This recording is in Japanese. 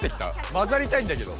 まざりたいんだけど。